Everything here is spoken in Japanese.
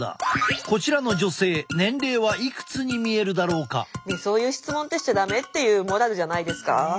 こちらの女性そういう質問ってしちゃ駄目っていうモラルじゃないですか？